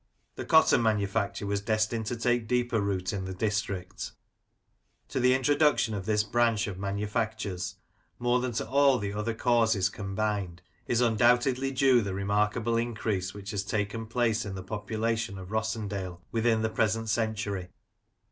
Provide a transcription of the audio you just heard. The cotton manufacture was destined to take deeper root in the district To the introduction of this branch of manu factures, more than to all the other causes combined, is undoubtedly due the remarkable increase which has taken place in the population of Rossendale within the present century.